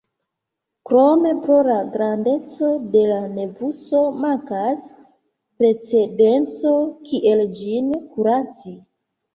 Krome, pro la grandeco de la nevuso, mankas precedenco kiel ĝin kuraci.